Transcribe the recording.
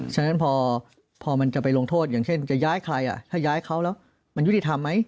ฉะนั้นพอมันจะไปลงโทษอย่างเช่นจะย้ายใครถ้าย้ายเขาแล้วมันยุติธรรมไหม